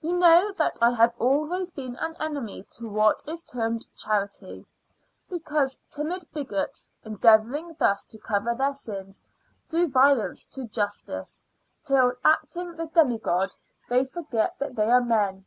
You know that I have always been an enemy to what is termed charity, because timid bigots, endeavouring thus to cover their sins, do violence to justice, till, acting the demigod, they forget that they are men.